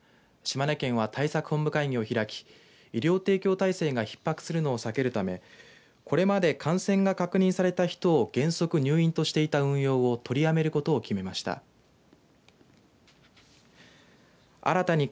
島根県は、対策本部会議を開き医療提供体制がひっ迫するのを避けるためこれまで感染が確認された人を原則入院としていた運用を取りやめることを決めました。